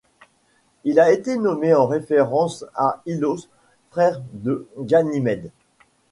Il a été nommé en référence à Ilos, frère de Ganymède.